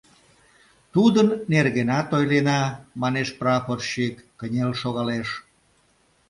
— Тудын нергенат ойлена, — манеш прапорщик, кынел шогалеш.